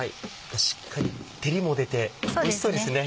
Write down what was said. しっかり照りも出ておいしそうですね。